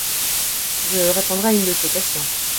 je répondrai à une de tes questions.